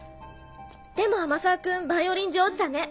でも天沢君バイオリン上手だね